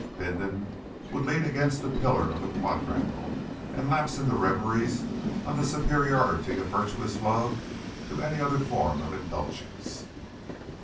Bindon would lean against a pillar of the quadrangle and lapse into reveries on the superiority of virtuous love to any other form of indulgence.